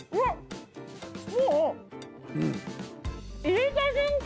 もう入れた瞬間